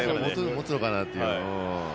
持つのかなという。